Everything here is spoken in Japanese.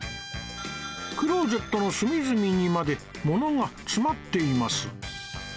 クローゼットの隅々にまでものが詰まっています